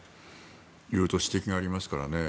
色々と指摘がありますからね。